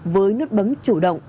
với nút bấm chủ động